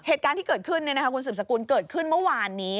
เหตุการณ์ที่เกิดขึ้นคุณสืบสกุลเกิดขึ้นเมื่อวานนี้